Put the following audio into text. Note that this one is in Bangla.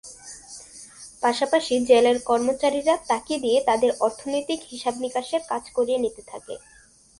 পাশাপাশি জেলের কর্মচারীরা তাকে দিয়ে তাদের অর্থনৈতিক হিসাব-নিকাশের কাজ করিয়ে নিতে থাকে।